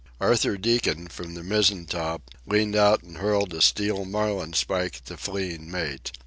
Arthur Deacon, from the mizzen top, leaned out and hurled a steel marlin spike at the fleeing mate.